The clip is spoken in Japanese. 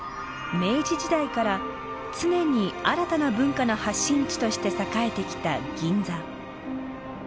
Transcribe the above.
明治時代から常に新たな文化の発信地として栄えてきた銀座。